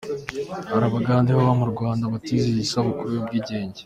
Hari Abagande baba mu Rwanda batizihije isabukuru y’ubwigenge